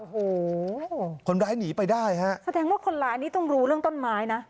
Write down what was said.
โอ้โหคนร้ายหนีไปได้ฮะแสดงว่าคนร้ายนี่ต้องรู้เรื่องต้นไม้นะ